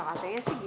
ya katanya sih git